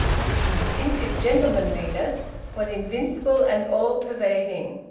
His instinctive gentlemanliness was invincible and all pervading.